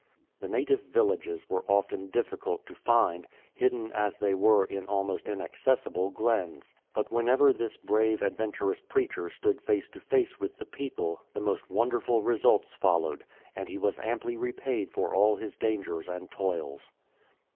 The native villages were often difficult to find, hidden as they were in almost inaccessible glens. But whenever this brave, adventurous preacher stood face to face with 340 KAPIOLANI the people, the most wonderful results followed, and he was amply repaid for all his dangers and toils.